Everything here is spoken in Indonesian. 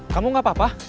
kamu gak apa apa